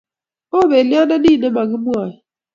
Oo pelyondo nin ne mokimwoey.